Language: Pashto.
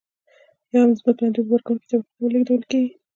یا هم د ځمکې لاندې اوبه ورکونکې طبقې ته لیږدول کیږي.